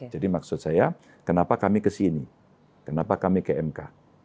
jadi maksud saya kenapa kami ke sini kenapa kami ke mk